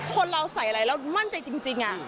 คุณเราใส่อะไรเรามั่นใจจริงอ่ะ